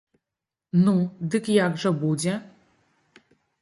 Ну, дык як жа будзе?